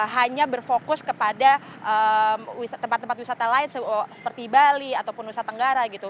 hanya berfokus kepada tempat tempat wisata lain seperti bali ataupun nusa tenggara gitu